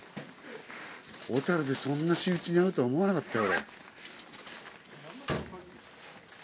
小樽でそんな仕打ちに遭うとは思わなかったよ。